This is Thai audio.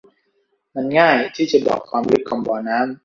มันง่ายที่จะบอกความลึกของบ่อน้ำ